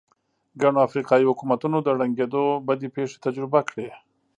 ګڼو افریقايي حکومتونو د ړنګېدو بدې پېښې تجربه کړې.